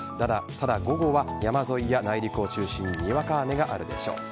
ただ、午後は山沿いや内陸を中心ににわか雨があるでしょう。